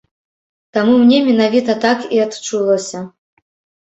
Таму мне менавіта так і адчулася.